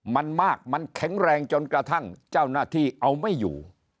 มันมากมันแข็งแรงจนกระทั่งเจ้าหน้าที่เอาไม่อยู่